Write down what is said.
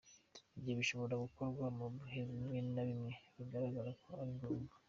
Ibyo bishobora gukorwa mu bihe bimwe na bimwe bigaragara ko ari ngombwa.